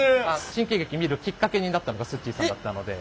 新喜劇見るきっかけになったのがすっちーさんだったので。